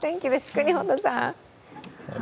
國本さん。